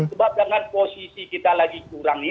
sebab dengan posisi kita lagi kurang ini